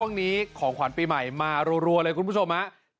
ช่วงนี้ของขวัญปีใหม่มารวรัวเลยคุณผู้ชมนะ